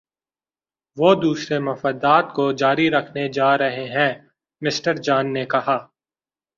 وہ دوسرے مفادات کو جاری رکھنے جا رہے ہیں مِسٹر جان نے کہا